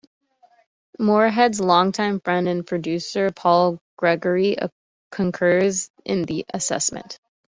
Moorehead's longtime friend and producer Paul Gregory concurs in the assessment.